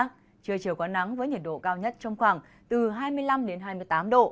trưa chiều có nắng với nhiệt độ cao nhất trong khoảng từ hai mươi năm đến hai mươi tám độ